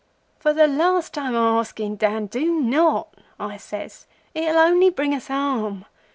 "'For the last time o' asking, Dan, do not,' I says. 'It'll only bring us harm.